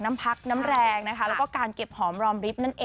น้ำพักน้ำแรงนะคะการเก็บหอมลอมริ้ป